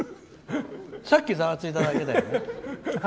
さっき、ざわついただけだよね。